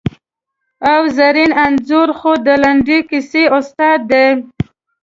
او زرین انځور خو د لنډې کیسې استاد دی!